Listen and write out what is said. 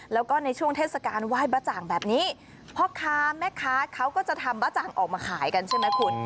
แล้วก็ในช่วงเทศกาลไหว้บ้าจ่างแบบนี้พ่อค้าแม่ค้าเขาก็จะทำบ๊ะจ่างออกมาขายกันใช่ไหมคุณ